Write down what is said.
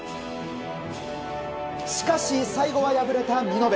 しかし、最後は敗れた見延。